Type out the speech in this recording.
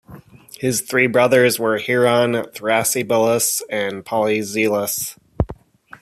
His three brothers were Hieron, Thrasybulus, and Polyzelos.